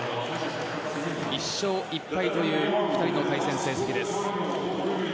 １勝１敗という２人の対戦成績です。